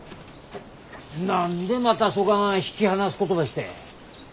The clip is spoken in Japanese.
何でまたそがん引き離すことばして。